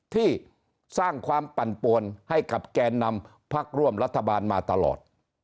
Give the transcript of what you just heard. ที่สร้างความปั่นปวนให้กับแกนนำพักร่วมรัฐบาลมาตลอด